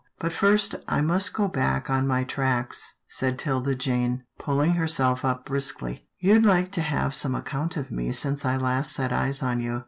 " But first I must go back on my tracks," said 'Tilda Jane, pulling herself up briskly. " You'd like to have some account of me since I last set eyes on you.